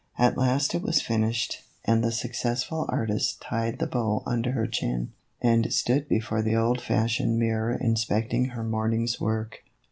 At last it was finished, and the successful artist tied the bow under her chin, and stood before the old fashioned mirror inspecting her morning's work.